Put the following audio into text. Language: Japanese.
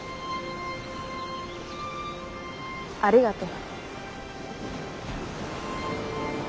ありがとう。